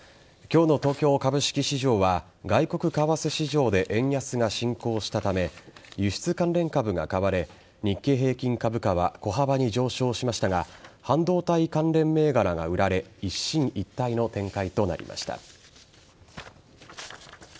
今日の東京株式市場は外国為替市場で円安が進行したため輸出関連株が買われ日経平均株価は小幅に上昇しましたが半導体関連銘柄が売られ一進一退の展開となりました。